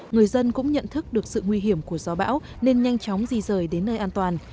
người dân cũng nhận thức được sự nguy hiểm của gió bão nên nhanh chóng di rời đến nơi an toàn